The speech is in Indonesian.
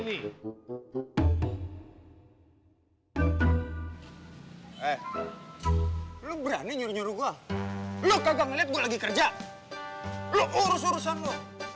ini eh lu berani nyuruh nyuruh gua lu kagak ngeliat gua lagi kerja lu urusan urusan lu